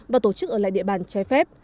và tổ chức ở lại địa bàn trái phép